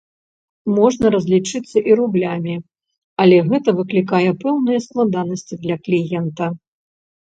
Можна разлічыцца і рублямі, але гэта выклікае пэўныя складанасці для кліента.